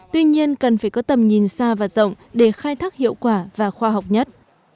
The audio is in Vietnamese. tuy nhiên cần phải có tầm nhìn xa và rộng để khai thác hiệu quả và khoa học nhất